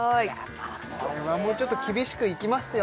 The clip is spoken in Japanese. まあこれはもうちょっと厳しくいきますよ